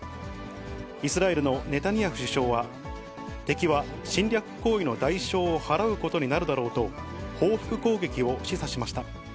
イスラエルのネタニヤフ首相は、敵は侵略行為の代償を払うことになるだろうと、報復攻撃を示唆しました。